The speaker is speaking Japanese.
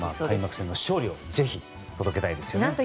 開幕戦の勝利をぜひ、届けたいですね。